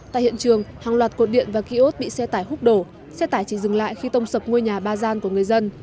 tại hiện trường hàng loạt cột điện và ký ốt bị xe tải hút đổ xe tải chỉ dừng lại khi tông sập ngôi nhà ba gian của người dân